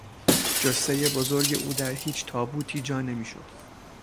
جثهی بزرگ او در هیچ تابوتی جا نمیشد.